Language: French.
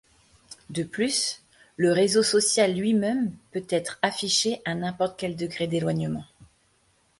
De plus, le réseau social lui-même peut être affiché à n'importe quel degré d'éloignement.